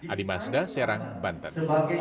adi masda serang banten